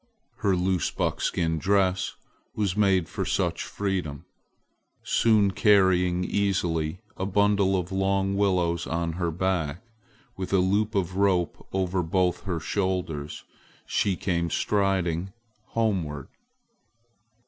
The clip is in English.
Her loose buckskin dress was made for such freedom. Soon carrying easily a bundle of long willows on her back, with a loop of rope over both her shoulders, she came striding homeward.